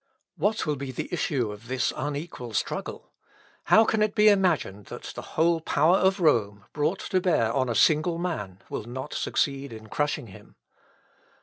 What will be the issue of this unequal struggle? How can it be imagined that the whole power of Rome, brought to bear on a single man, will not succeed in crushing him?